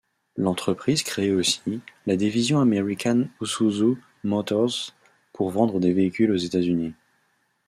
L'entreprise crée aussi, la division American Isuzu Motors, pour vendre des véhicules aux États-Unis.